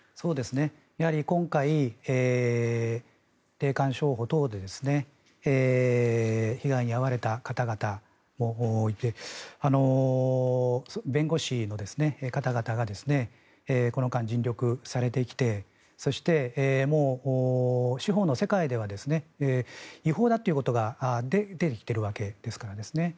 やはり今回、霊感商法等で被害に遭われた方もいて弁護士の方々がこの間、尽力されてきてそして、司法の世界では違法だということが出てきてるわけですね。